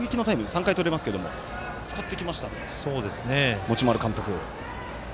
３回とれますが使ってきました持丸監督。